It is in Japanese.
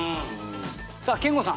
さあ憲剛さん